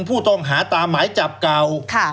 ผู้ต้องหาตามหมายจับเก่า